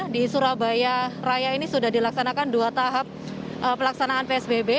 di surabaya raya ini sudah dilaksanakan dua tahap pelaksanaan psbb